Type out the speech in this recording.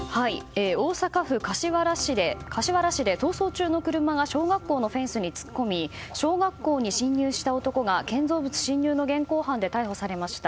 大阪府柏原市で、逃走中の車が小学校のフェンスに突っ込み小学校に侵入した男が建造物侵入の現行犯で逮捕されました。